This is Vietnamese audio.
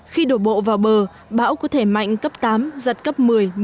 khi đổ bộ vào bờ bão có thể mạnh cấp tám giặt cấp một mươi một mươi một